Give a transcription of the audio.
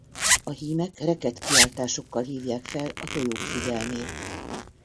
A hímek rekedt kiáltásokkal hívják fel a tojók figyelmét.